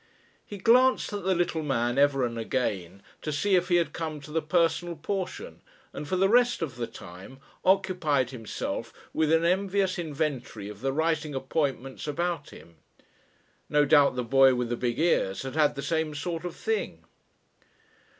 He glanced at the little man ever and again to see if he had come to the personal portion, and for the rest of the time occupied himself with an envious inventory of the writing appointments about him. No doubt the boy with the big ears had had the same sort of thing